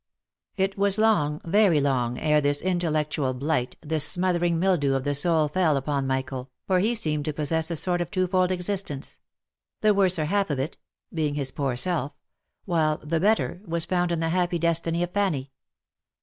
It was long, very long, ere this intellectual blight, this smothering mildew of the soul fell upon Michael, for he seemed to possess a sort of twofold existence, " the worser half of it," being his poor self, while the better was found in the happy destiny of Fanny.